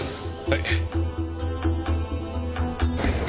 はい。